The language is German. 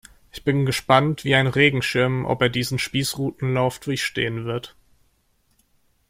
Ich bin gespannt wie ein Regenschirm, ob er diesen Spießrutenlauf durchstehen wird.